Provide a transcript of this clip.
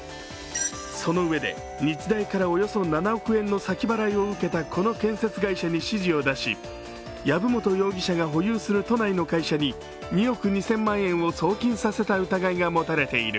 そのうえで日大からおよそ７億円の先払いを受けたこの建設会社に指示を出し、藪本容疑者が保有する都内の会社に２億２０００万円を送金させた疑いが持たれている。